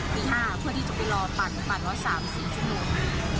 ตี๕เพื่อที่จะไปรอปั่นปั่นไว้๓๔ชั่วโมง